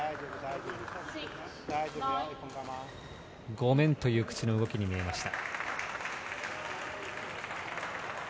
ごめんという口の動きに見えました。